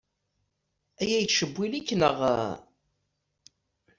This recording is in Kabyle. Aya yettcewwil-ik, naɣ?